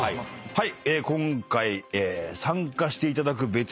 はい。